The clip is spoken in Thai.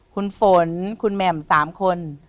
คุณฝนคุณแหม่ม๓คน